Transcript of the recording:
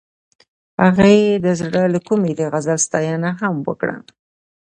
هغې د زړه له کومې د غزل ستاینه هم وکړه.